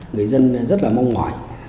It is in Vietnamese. người dân rất mong ngoại